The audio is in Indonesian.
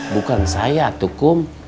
bukan saya atukom